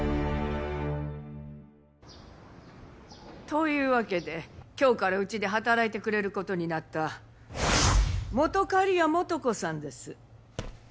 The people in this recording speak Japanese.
というわけで今日からうちで働いてくれる事になった本仮屋素子さんです。